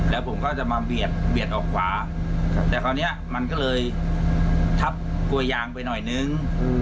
แล้วผมก็จะมาเบียดออกขวาแต่คราวนี้มันก็เลยทับกลัวยางไปหน่อยนึง